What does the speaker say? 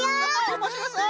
おもしろそう！